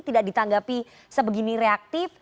tidak ditanggapi sebegini reaktif